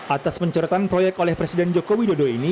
atas pencoretan proyek oleh presiden joko widodo ini